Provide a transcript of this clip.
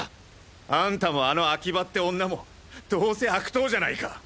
アンタもあの秋葉って女もどうせ悪党じゃないか。